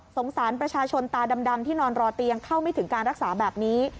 สารประชาชนตาดำที่นอนรอเตียงเข้าไม่ถึงการรักษาแบบนี้